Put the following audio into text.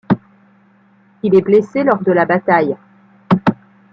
Il est blessé lors de la bataille.